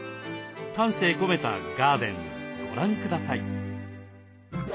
丹精込めたガーデンご覧下さい。